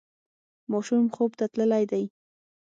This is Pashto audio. ماشوم خوب ته تللی دی.